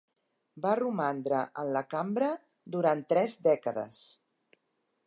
Va romandre en la Cambra durant tres dècades.